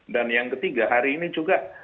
dan yang ketiga hari ini juga